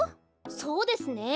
そうですね。